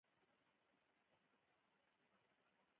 که دا کار نه وای شوی هغه به ټول عمر کوڼ او ګونګی و